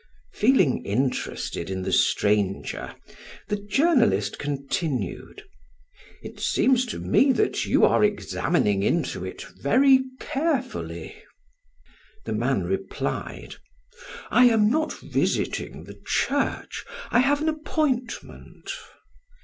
Feeling interested in the stranger, the journalist continued: "It seems to me that you are examining into it very carefully." The man replied: "I am not visiting the church; I have an appointment."